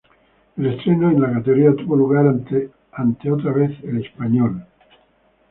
El estreno en la categoría tuvo lugar ante, otra vez, el Español.